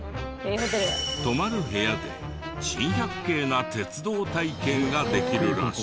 泊まる部屋で珍百景な鉄道体験ができるらしい。